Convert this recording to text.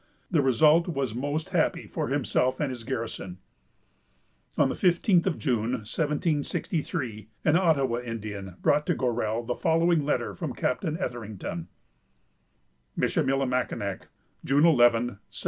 The result was most happy for himself and his garrison. On the fifteenth of June, 1763, an Ottawa Indian brought to Gorell the following letter from Captain Etherington:—— "Michillimackinac, June 11, 1763.